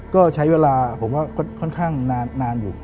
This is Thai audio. ก็ใช้เวลาผมว่าค่อนข้างนานอยู่